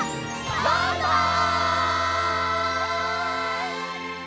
バイバイ！